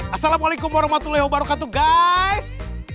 assalamualaikum warahmatullahi wabarakatuh guys